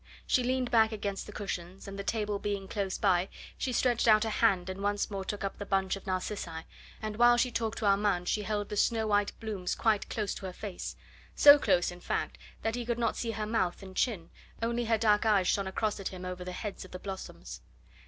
She leaned back against the cushions, and the table being close by, she stretched out a hand and once more took up the bunch of narcissi, and while she talked to Armand she held the snow white blooms quite close to her face so close, in fact, that he could not see her mouth and chin, only her dark eyes shone across at him over the heads of the blossoms.